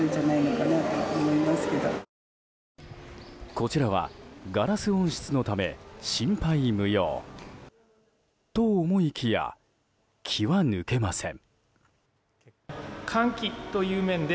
こちらはガラス温室のため心配無用と思いきや気は抜けません。